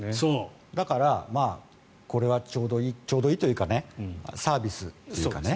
だからこれはちょうどいいというかサービスというか。